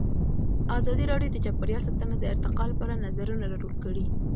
ازادي راډیو د چاپیریال ساتنه د ارتقا لپاره نظرونه راټول کړي.